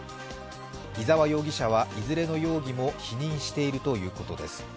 伊沢容疑者はいずれの容疑も否認しているということです。